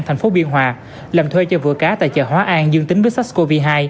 thành phố biên hòa làm thuê cho vựa cá tại chợ hóa an dương tính với sars cov hai